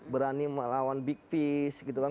berani melawan big fish gitu kan